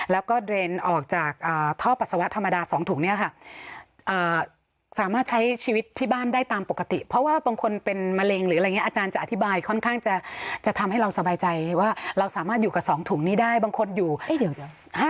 แล้วก็เต็มน้ำปัสสาวาออกจากท่อปัสสาวาธรรมดาสองถุงนี่ค่ะ